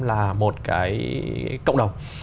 là một cái cộng đồng